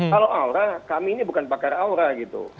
kalau aura kami ini bukan pakar aura gitu